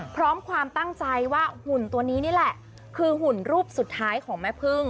ความตั้งใจว่าหุ่นตัวนี้นี่แหละคือหุ่นรูปสุดท้ายของแม่พึ่ง